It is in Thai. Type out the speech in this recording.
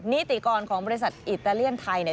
นิติกรของบริษัทอิตาเลียนไทยเนี่ย